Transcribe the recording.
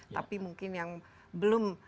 tapi mungkin yang belum